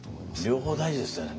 両方大事ですよね。